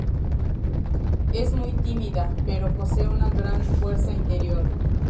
Es muy tímida, pero posee una gran fuerza interior.